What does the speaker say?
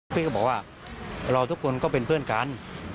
พี่ก็บอกว่าเราทุกคนก็เป็นเพื่อนกัน